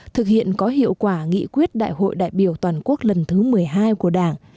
thực hiện có hiệu quả nghị quyết đại hội đại biểu toàn quốc lần thứ một mươi hai của đảng